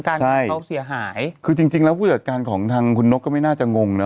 เขาเสียหายคือจริงจริงแล้วผู้จัดการของทางคุณนกก็ไม่น่าจะงงเนอ